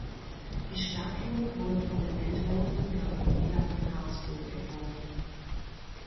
Die Statue wurde von der Bildhauerin Gabriela von Habsburg entworfen.